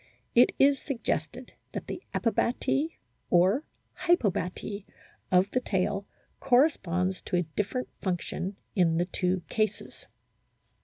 It is suggested that the "epibaty" or " hypobaty " of the tail corresponds to a different function in the two cases.